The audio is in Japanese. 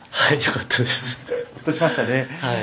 ほっとしましたね。